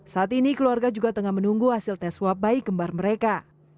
saat ini keluarga juga tengah menunggu hasil tes swab bayi kembar mereka